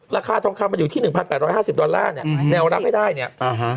ราคาทองคำมันอยู่ที่๑๘๕๐ดอลลาร์เนี่ยแนวรับให้ได้เนี่ยอ่าฮะ